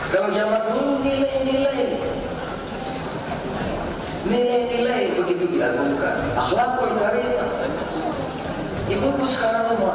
kalau zaman dulu nilai nilai nilai nilai begitu dianggap bukan